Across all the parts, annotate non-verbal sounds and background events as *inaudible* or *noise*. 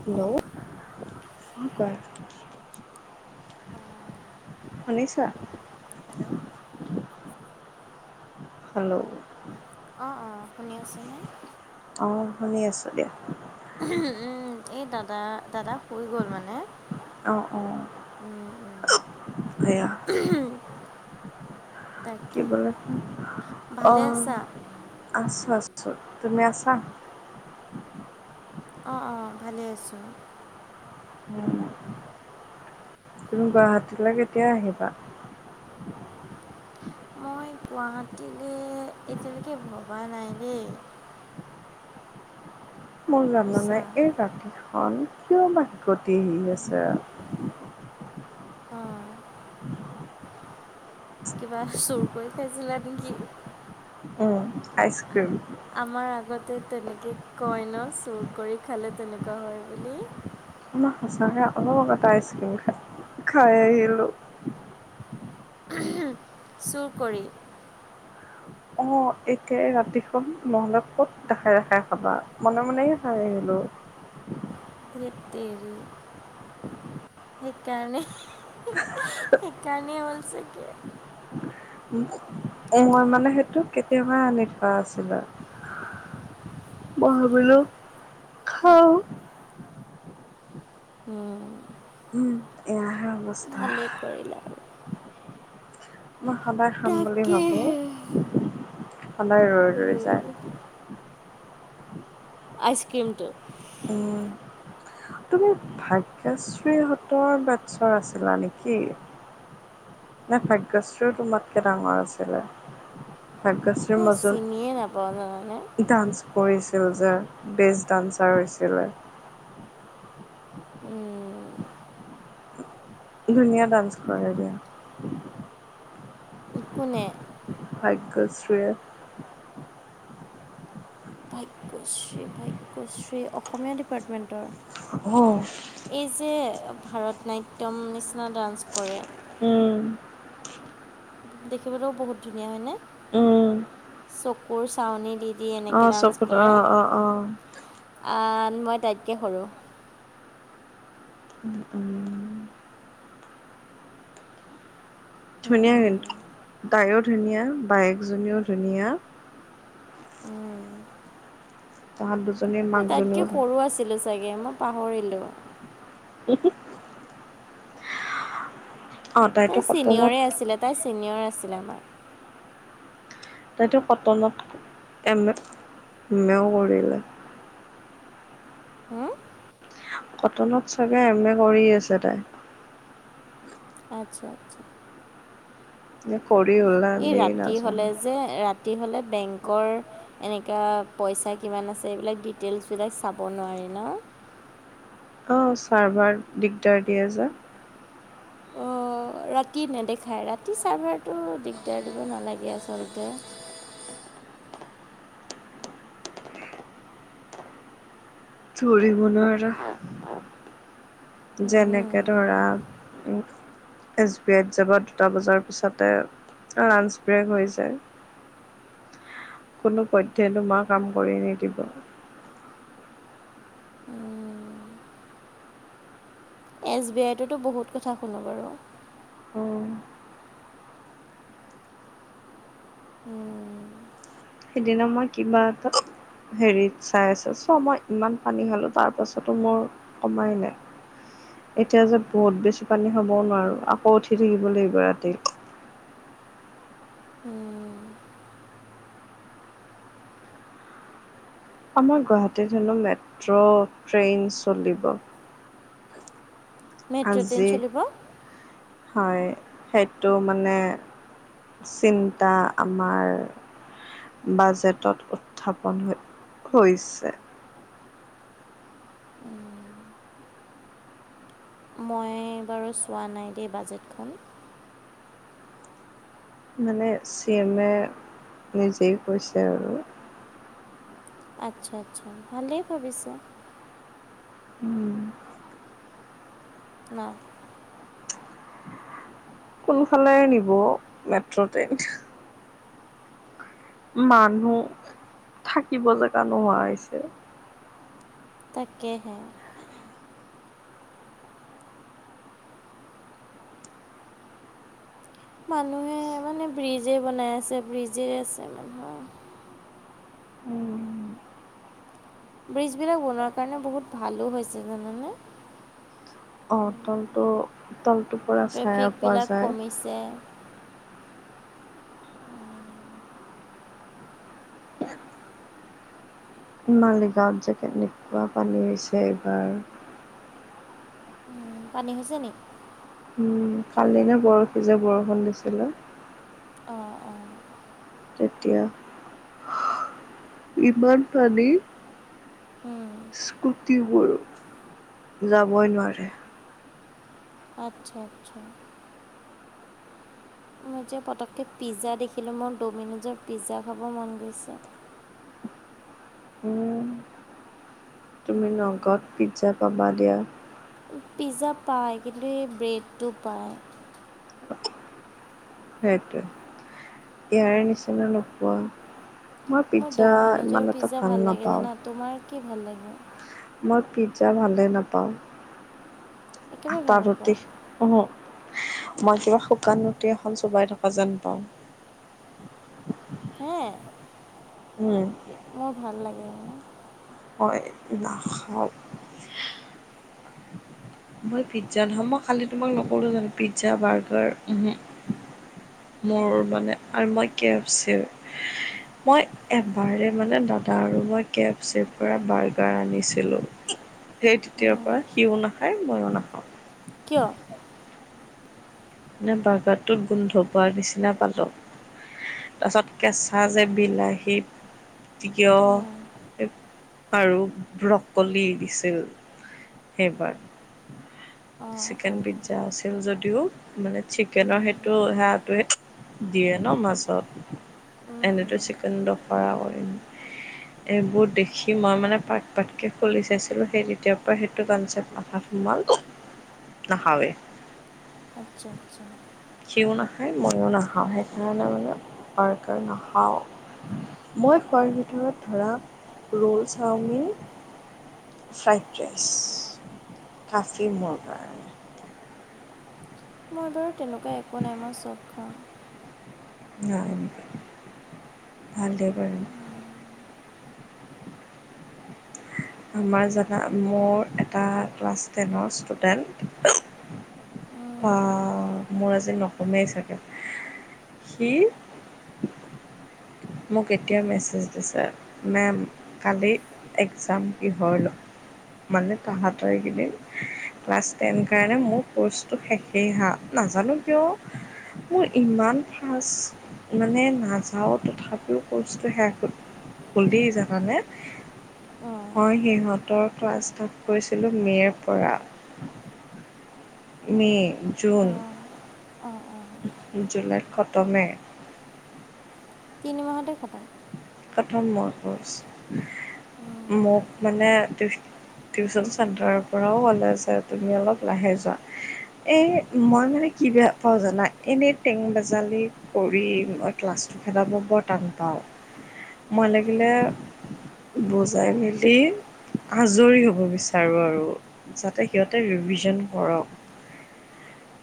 Hello, কাহা পৰ? শুনিছা? হেল্ল'। হেল্ল'। অঁ অঁ শুনি আছেনে? অঁ শুনি আছো দিয়া। এই দাদা দাদা শুই গ'ল মানে। অঁ অঁ উম উম সেয়া। *unintelligible* কি তাকে বোলে, ভালে অঁ আছা আছো আছো তুমি আছা? অঁ অঁ ভালে আছোঁ। উম। তুমি গুৱাহাটীলৈ কেতিয়া আহিবা? মই গুৱাহাটীলে এতিয়ালৈকে ভবা নাই দেই। মোৰ জানা আচ্ছা নাই এই ৰাতিখন কিয় বা হিকটি আহি আছে। অৱ। কিবা চুৰ কৰি খাইছিলা নেকি? উম। Ice cream. আমাৰ আগতে তেনেকে কয় ন চুৰ কৰি খালে তেনেকুৱা হয় বুলি। মই সঁচাকৈ অলপ এটা আইচক্ৰীম খাই খাই আহিলোঁ। চুৰ কৰি। অৱ। অৱ একে ৰাতিখন নহ'লে ক'ত দেখাই দেখাই খাবা মনে মনে খাই আহিলো। ধেৎতেৰি। সেইকাৰণে সেইকাৰণেই হ'ল চাগে। মই মানে সেইটো কেতিয়াবাই আনি থোৱা আছিলে। মই ভাবিলো খাওঁ। উম এয়া হে হ'ব। ভালেই কৰিলা আৰু মই সদায় খাম বুলি ভাবোঁ তাকেহে সদায় ৰৈ ৰৈ উম, যায়। আইচক্ৰমটো। উম। তুমি ভাগ্যশ্ৰীহঁতৰ বেটছৰ আছিলা নেকি? নে ভাগ্যশ্ৰীৰও তোমাতকে ডাঙৰ আছিলে? ভাগ্যশ্ৰীৰ মই মাজত, চিনিয়ে নাপাওঁ জানানে ডান্স কৰিছিল যে বেষ্ট ডান্সাৰ হৈছিলে। উম। ধুনীয়া ডান্স কৰে দিয়া। কোনে? ভাগ্যশ্ৰীয়ে। ভাগ্যশ্ৰী ভাগ্যশ্ৰী অসমীয়া ডিপাৰ্টমেণ্টৰ। অৱ। এই যে ভাৰতনাট্যম নিচিনা ডান্স কৰে। উম। দেখিবলৈও বহুত ধুনীয়া হয়নে উম, চকুৰ চাউনি দি সি এনেকে অ', ডান্স চকুত কৰে, অ', অ', অ', আ মই তাইতকৈ সৰু। উম উম। ধুনীয়া উম, কিন্তু তাইয়ো ধুনীয়া বাইকজনীও ধুনীয়া। উম। তাহত দুজনীৰ। মই তাইতকৈ মাকজনীও ধুনীয়া। সৰু আছিলো চাগে মই পাহৰিলোঁ। হিহি অ তাইতো তাই কটনত ছিনিয়ৰে আছিলে তাই ছিনিয়ৰ আছিলে আমাৰ। তাইটো কটনত থাকে এম এ এম এও কৰিলে। হো কটনত থাগে এম এ কৰি আছে তাই। আচ্ছা আচ্ছা। নে কৰি হ'ল না। এই ৰাতি হলে যে, ৰাতি হ'লে বেংকৰ এনেকুৱা পইচা কিমান আছে এইবিলাক, ডিটেইলছবিলাক চাব নোৱাৰি ন? অঁ ছাৰ্ভাৰ দিগদাৰ দিয়ে যে। অঁ ৰাতি নেদেখায়, ৰাতি চাৰ্ভাৰটো দিগদাৰ দিব নালাগে আচলতে ধৰিব নোৱাৰা, যেনেকে ধৰা এছ বি আইত যাব দুটা বজাৰ পিছতে অ লাঞ্চ স্প্ৰে হৈ যায়। কোনো পধ্যেই তোমাৰ কাম কৰি নিদিব। এছ বি আইটোতো বহুত কথা শুনোঁ বাৰু। অ সেইদিনা মই কিবা এটাত হেৰিত চাই আছোঁ, চ' মই ইমান পানী খালো তাৰ পাছতো মোৰ কমাই নাই। এতিয়া যে বহুত বেছি পানী খাবও নোৱাৰো, আকৌ উঠি থাকিব লাগিব ৰাতি। আমাৰ গুৱাহাটীত হেনো মেট্ৰ' ট্ৰেইন চলিব। মেট্ৰ' ট্ৰেইন আজি চলিব হয়, সেইটো মানে চিন্তা আমাৰ বাজেটত উত্থাপন হৈছে। মই বাৰু চোৱা নাই দেই বাজেটখন। মানে চি এমে নিজেই কৈছে আৰু। আচ্ছা আচ্ছা, ভালেই ভাবিছে। উম। ন? কোনফালে নিব মেট্ৰ' ট্ৰেইন? মানুহ থাকিব জেগা নোহোৱা হৈছে। তাকেহে মানুহে মানে ব্ৰিজেই বনাই আছে, ব্ৰিজে আছে মানুহৰ ব্ৰিজবিলাক বনোৱাৰ কাৰণে বহুত ভালো হৈছে জানানে? অ তলটো তলটোৰ পৰা চাইয়া পোৱা যায়। দে মালিগাঁৱত যে কেনেকুৱা পানী হৈছে এইবাৰ। পানী হৈছে নেকি? উম, কালি নে পৰহি যে বৰষুণ দিছিলে? অঁ অ তেতিয়া ইমান পানী স্কুটিবোৰ যাবই নোৱাৰে। আচ্ছা আচ্ছা। মই এতিয়া পটককৈ পিজ্জা দেখিলোঁ, মোৰ ড'মিন'জৰ পিজ্জা খাব মন গৈছে। উম, তুমি উম নগদ পিজ্জা পাবা দিয়া। পিজ্জা পায় কিন্তু, সেই ব্ৰেডটো পায়। সেইটো, ইয়াৰে নিচিনা নোপোৱা মই পিজ্জা ইমান এটা ভাল নাপাওঁ। তোমাক কি ভাল লাগে? মই পিজ্জা ভালেই নাপাওঁ। একেবাৰে আটা ভাল নোপোৱা ৰুটি, মই কিবা শুকান ৰুটি এখন চবাই থকা যেন পাওঁ। হেঁ হয়। মোৰ ভাল লাগে। হয়, নাখাওঁ। মই পিজ্জা নহয়। মই খালি তোমাক নকলোঁ জানো পিজ্জা, বাৰ্গাৰ উমহু মোৰ মানে আৰু মই কেফ চেভ্ মই এবাৰে মানে দাদা আৰু মই কেফ চেভাৰ বাৰ্গাৰ আনিছিলোঁ। সেই তেতিয়াৰ পৰা সিও নাখায়, মইও নাখাওঁ। কিয়? মানে বাৰ্গাৰটোত গোন্ধ পোৱাৰ নিচিনা পালোঁ। তাৰপিছত কেঁচা যে বিলাহী, তিয়ঁহ এই আৰু ব্ৰকলি দিছিল সেইবাৰ। অঁ অঁ চিকেনপিজ্জা আছিল যদিও মানে, চিকেনৰ সেইটো সেয়াটোৱে দিয়ে ন' মাছত। উম, এনেতো উম। চিকেন দফা কয়। এইবোৰ দেখি মই মানে পাৰ্ট পাৰ্টকে খুলি চাইছিলোঁ সেই তেতিয়াৰ পৰা সেইটো কনচেপ্ট ভাৱ সোমাল নাখাওৱে। আচ্ছা, আচ্ছা। সিও নাখায়, মইও নাখাওঁ সেইকাৰণে মানে বাৰ্গাৰ নাখাওঁ। মই খোৱাৰ ভিতৰত ধৰা roll chowmein fried rice coffee মোৰ কাৰণে। মোৰ বাৰু তেনেকুৱা একো নাই, মই চব খাওঁ। ন ' এনেকৈ ভালে বাৰু। আমাৰ জাগা মোৰ এটা ক্লাছ টেনৰ ষ্টুডেণ্ট বা মোৰ আজি নকমেই চাগে। সি মোক এতিয়া মেছেজ দিছে মেম্ কালি এক্সাম কিহৰ ল' মানে তাহাঁতৰ এইকেইদিন ক্লাছ টেন কাৰণে মোৰ ক'ৰ্চটো শেষেই হাঁ। নাজানোঁ কিয় মোৰ ইমান ফাৰ্ষ্ট মানে নাযাওঁ তথাপ্ টো কৰ্চটো শেষ হ'ল। সুধি জানানে? উম, মই সিহঁতৰ ক্লাছ ষ্টাৰ্ট কৰিছিলোঁ মে'ৰ পৰা। মে', জুন অঁ অঁ, অঁ। জুলাইত খতমে। তিনি মাহতে খতম? খতম মোৰ কৰ্চ। উম, মোক মানে টিউচ টিউচন চেণ্টাৰৰ পৰাও ক'লে যে তুমি অলপ লাহে যোৱা। এই মই মানে কি বেয়া পাওঁ জানা? এনে টেং- বেজালি কৰি মই ক্লাছটো খেদাব বৰ টান পাওঁ। মই লাগিলে বুজাই মেলি আজৰি হ'ব বিচাৰো আৰু। যাতে সিহঁতে ৰিভিজন কৰক।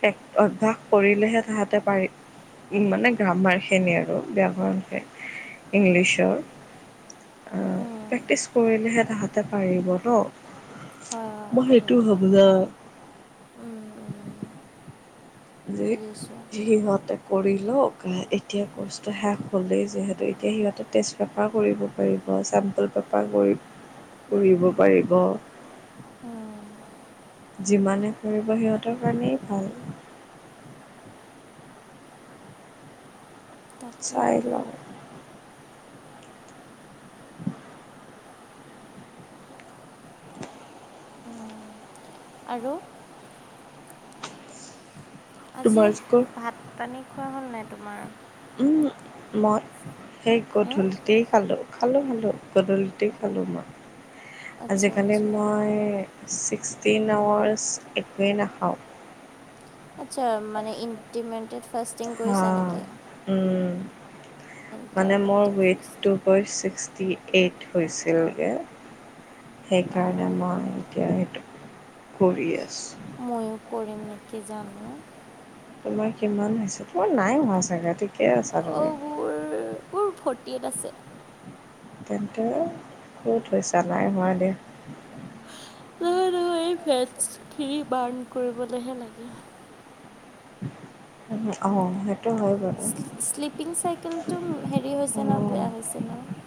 এক অভ্যাস কৰিলেহে তাহাঁতে পাৰি মানে গ্ৰামাৰখিনি আৰু ব্যাকৰণখিনি ইংলিছৰ। অঁ--প্ৰেক্টিছ কৰিলেহে তাহাঁতে পাৰিব ন'। হয় হয় মই সেইটো কথাটো ভাৱোঁ জানা। উম, উম, *unintelligible* বুজিছোঁ কৰি লওঁ এতিয়া কৰ্চটো শেষ হ'লেই যিহেতু এতিয়া সিহঁতেৰ তেজ পেপাৰ কৰিব *unintelligible* উম, যিমানে কৰিব সিহঁতৰ কাৰণেই ভাল তাকেহে চাইলওঁ *unintelligible* উম, আৰু আজি তোমালোকৰ ভাত পানী খোৱা হ'ল নাই তোমাৰ ও মত সেই উম, গধূলিতে খালো খালো খালো গধূলিতেই খালো মই আচ্ছা আজিকালি আচ্ছা মই ছিক্সটিন আৱাৰ্চ একোৱেই নাখাওঁ হা *unintelligible* উম মানে মোৰ ইণ্টাৰমিটেড ওএত ফাষ্টিং টো ছিক্সটি এইট হৈছিলগৈ অঁ সেইকাৰণে ম এতি কৰিয়ছ ময়ো কৰিম নেকি জানো। তোমাৰ কিমান হৈছে তোমাৰ নাই হোৱা চাগে ঠিকে আছা তুমি। অ' মোৰ মোৰ ফৰ্টি এইট আছে। তেন্তে ক'ত হৈছা নাই হোৱা দে। নহ নহয় এই ফেটছ খিনি বাৰ্ণ কৰিবলৈ হে লাগে। আহ সেইটো হয় বাৰু। শ্লিপিং চাইকেলটো হেৰি হৈছে ন অঁ বেয়া হৈছে ন।